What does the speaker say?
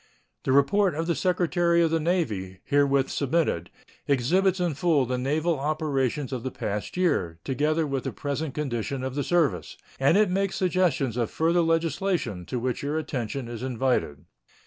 The report of the Secretary of the Navy, herewith submitted, exhibits in full the naval operations of the past year, together with the present condition of the service, and it makes suggestions of further legislation, to which your attention is invited.